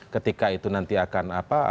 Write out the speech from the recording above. ketika itu nanti akan apa